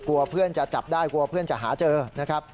เพื่อนจะจับได้กลัวเพื่อนจะหาเจอนะครับ